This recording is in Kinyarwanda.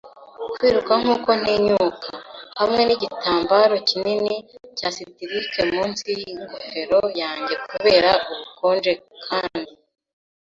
kwiruka nkuko ntinyuka, hamwe nigitambaro kinini cya silike munsi yingofero yanjye kubera ubukonje kandi